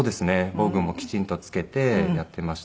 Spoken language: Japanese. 防具もきちんと着けてやっていました。